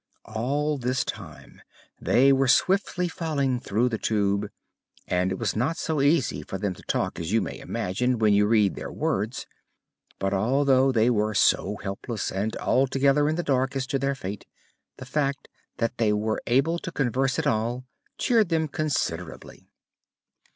All this time they were swiftly falling through the Tube, and it was not so easy for them to talk as you may imagine when you read their words. But although they were so helpless and altogether in the dark as to their fate, the fact that they were able to converse at all cheered them, considerably.